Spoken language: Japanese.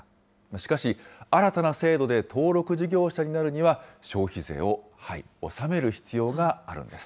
しかし、新たな制度で登録事業者になるには、消費税を納める必要があるんです。